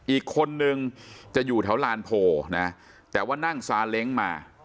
อีกคนนึงจะอยู่แถวลานโพนะแต่ว่านั่งซาเล้งมา